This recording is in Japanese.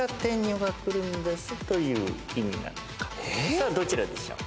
さあどちらでしょう？